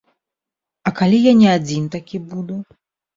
А калі я не адзін такі буду?